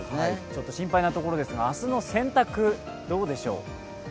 ちょっと心配なところですが明日の選択、どうでしょう。